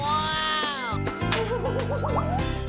ว้าว